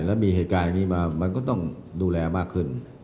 แล้วมีเหตุการณ์อย่างนี้มามันก็ต้องดูแลมากขึ้น